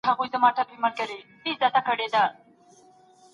د پرشتو په پرتله انسان د واک ډېر حق لري.